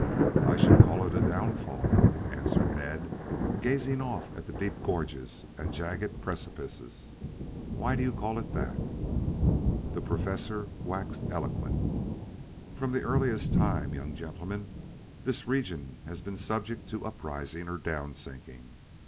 "I should call it a downfall," answered Ned, gazing off at the deep gorges and jagged precipices. "Why do you call it that?" The Professor waxed eloquent. "From the earliest time, young gentlemen, this region has been subject to uprising or downsinking.